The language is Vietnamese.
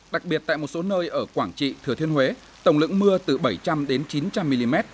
đặc biệt tại một số nơi ở quảng trị thừa thiên huế tổng lượng mưa từ bảy trăm linh đến chín trăm linh mm